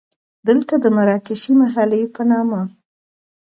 دلته د مراکشي محلې په نامه.